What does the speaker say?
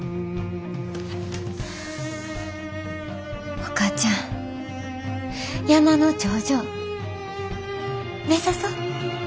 お母ちゃん山の頂上目指そ。